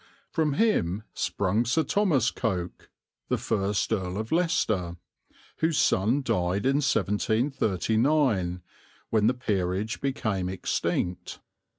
From him sprung Sir Thomas Coke, the first Earl of Leicester, whose son died in 1739, when the peerage became extinct.